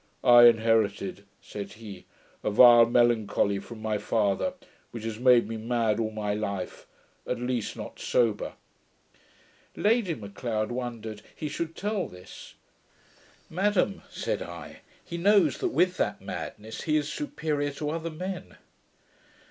'I inherited,' said he, 'a vile melancholy from my father, which has made me mad all my life, at least not sober.' Lady M'Leod wondered he should tell this. 'Madam,' said I, 'he knows that with that madness he is superior to other men.'